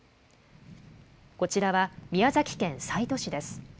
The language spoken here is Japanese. こちらは宮崎県西都市です。